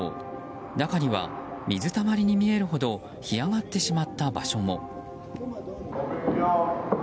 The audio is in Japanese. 中には、水たまりに見えるほど干上がってしまった場所も。